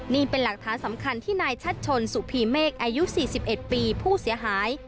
นี่เป็นหลักฐานสำคัญที่นายชัดชนสุพีเมฆอายุ๔๑ปีผู้เสียหาย